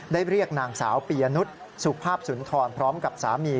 เรียกนางสาวปียนุษย์สุภาพสุนทรพร้อมกับสามี